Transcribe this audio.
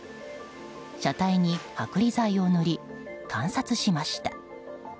車体に剥離剤を塗り観察しました。